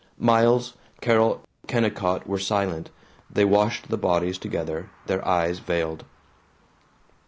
Miles, Carol, Kennicott were silent. They washed the bodies together, their eyes veiled.